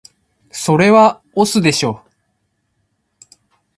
それは押忍でしょ